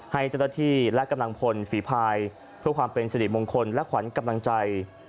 ให้เจ้าหน้าที่และกำลังพลฝีภายเพื่อความเป็นสิริมงคลและขวัญกำลังใจ